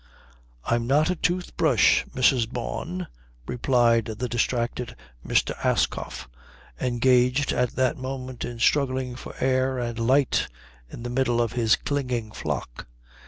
"I'm not a toothbrush, Mrs. Bawn," replied the distracted Mr. Ascough, engaged at that moment in struggling for air and light in the middle of his clinging flock.